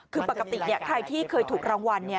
คือปกติใครที่เคยถูกรางวัล